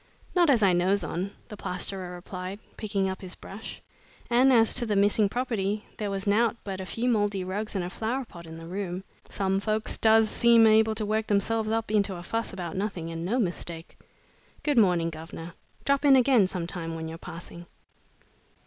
"Not as I knows on," the plasterer replied, picking up his brush, "and as to the missing property, there was nowt but a few mouldy rugs and a flower pot in the room. Some folks does seem able to work themselves up into a fuss about nothing, and no mistake! Good morning, guvnor! Drop in again some time when you're passing."